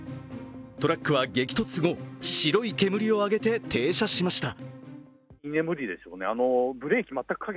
トラックは激突後、白い煙を上げて停車しました。